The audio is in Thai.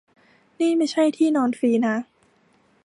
นี่ไม่ใช่ที่นอนฟรีนะ